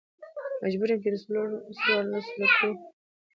مجبور يم چې دڅورلسو لکو، روپيو ترڅنګ يو بل څه هم وکړم .